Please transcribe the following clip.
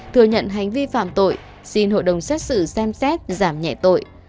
thừa nhận hành vi phạm tội xin hội đồng xét xử xem xét giảm nhẹ tội